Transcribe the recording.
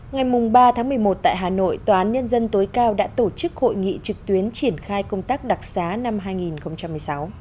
ngày ba tháng một mươi một tại hà nội tòa án nhân dân tối cao đã tổ chức hội nghị trực tuyến triển khai công tác đặc xá năm hai nghìn một mươi sáu